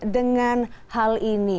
dengan hal ini